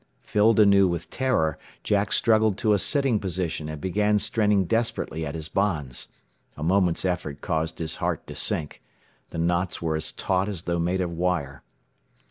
Filled anew with terror Jack struggled to a sitting position and began straining desperately at his bonds. A moment's effort caused his heart to sink. The knots were as taut as though made of wire.